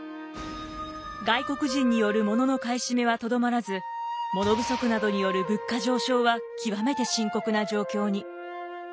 外国人によるモノの買い占めはとどまらずモノ不足などによる物価上昇は極めて深刻な状況に。